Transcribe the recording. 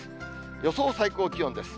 予想最高気温です。